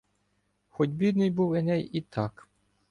Хоть бідний був Еней і так.